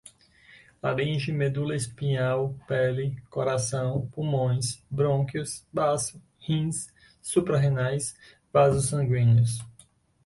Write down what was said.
laringe, medula espinhal, pele, coração, pulmões, brônquios, baço, rins, suprarrenais, vasos sanguíneos